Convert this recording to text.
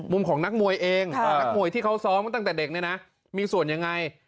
มุมของนักมวยเองนักมวยที่เขาซ้อมมาตั้งแต่เด็กเนี่ยนะมีส่วนยังไง